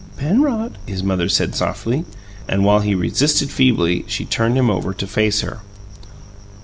"Penrod," his mother said softly, and, while he resisted feebly, she turned him over to face her.